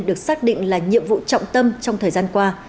được xác định là nhiệm vụ trọng tâm trong thời gian qua